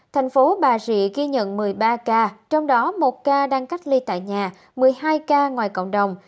thành phố bà rịa ghi nhận một mươi ba ca trong đó một ca đang cách ly tại nhà một mươi hai ca ngoài cộng đồng